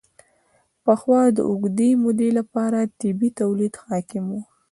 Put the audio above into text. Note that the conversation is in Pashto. پخوا د اوږدې مودې لپاره طبیعي تولید حاکم و.